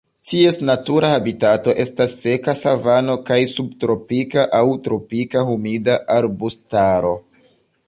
Ties natura habitato estas seka savano kaj subtropika aŭ tropika humida arbustaro.